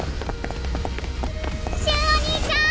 瞬お兄ちゃーん！